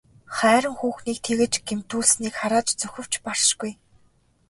Хайран хүүхнийг тэгж гэмтүүлснийг харааж зүхэвч баршгүй.